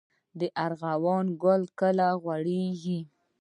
ارغوان ګل کله غوړیږي؟